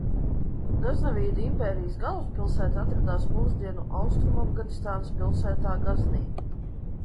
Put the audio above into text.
Gaznevīdu impērijas galvaspilsēta atradās mūsdienu Austrumafganistānas pilsētā Gaznī.